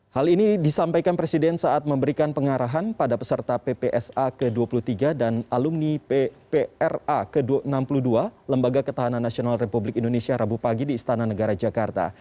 hal ini disampaikan presiden saat memberikan pengarahan pada peserta ppsa ke dua puluh tiga dan alumni ppra ke enam puluh dua lembaga ketahanan nasional republik indonesia rabu pagi di istana negara jakarta